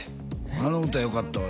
あの歌よかったわ